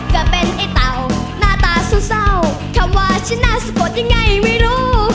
ก็เป็นไอ้เต่าหน้าตาเศร้าคำว่าฉันน่าสะกดยังไงไม่รู้